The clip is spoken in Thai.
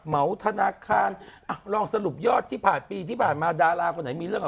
เหมาธนาคารอ่ะลองสรุปยอดที่ผ่านปีที่ผ่านมาดาราคนไหนมีเรื่องกับ